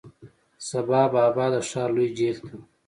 سبا بابا د ښار لوی جیل ته،